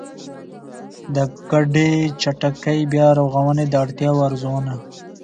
د ګډې چټکې بيا رغونې د اړتیاوو ارزونه